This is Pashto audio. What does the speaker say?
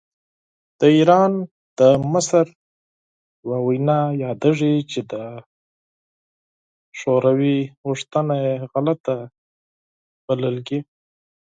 د ایران د مشر یوه وینا یادېږي چې د شوروي غوښتنه یې غلطه بللې.